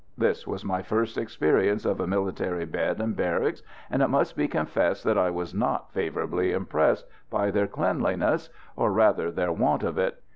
This was my first experience of a military bed and barracks, and it must be confessed that I was not favourably impressed by their cleanliness, or rather their want of it.